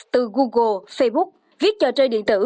từ google facebook viết trò chơi điện tử